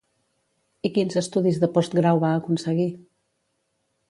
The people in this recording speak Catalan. I quins estudis de postgrau va aconseguir?